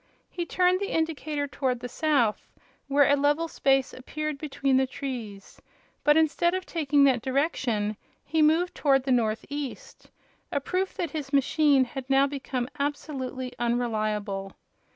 He turned the indicator towards the south, where a level space appeared between the trees; but instead of taking that direction he moved towards the northeast, a proof that his machine had now become absolutely unreliable.